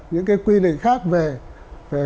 những cái quy định khác về